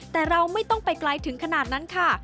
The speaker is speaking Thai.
แต่เราไม่ต้องไปไกลถึงขนาดนั้นค่ะ